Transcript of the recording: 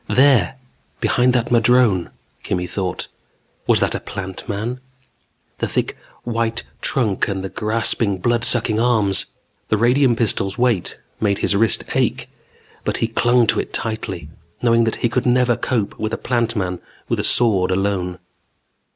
There, behind that madrone, Kimmy thought. Was that a Plant Man? The thick white trunk and the grasping, blood sucking arms The radium pistol's weight made his wrist ache, but he clung to it tightly, knowing that he could never cope with a Plant Man with a sword alone.